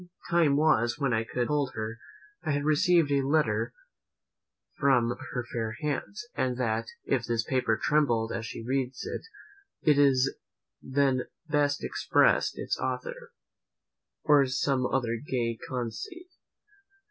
Time was, when I could have told her, "I had received a letter from her fair hands; and that, if this paper trembled as she read it, it then best expressed its author," or some other gay conceit.